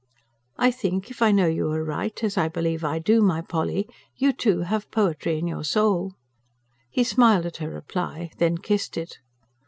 I THINK IF I KNOW YOU ARIGHT, AS I BELIEVE I DO, MY POLLY, YOU TOO HAVE POETRY IN YOUR SOUL. He smiled at her reply; then kissed it.